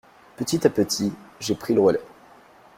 Petit à petit, j’ai pris le relai.